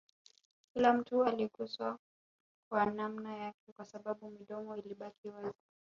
Kila mtu aliguswa kwa namna yake Kwa sababu midomo ilibaki wazi